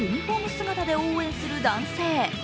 姿で応援する男性。